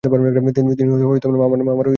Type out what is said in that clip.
তিনি মামার শিরশ্ছেদ করেন।